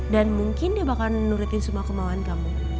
dan mungkin dia bakal nurutin semua kemauannya